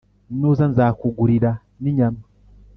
nuza nzakugurira n'inyama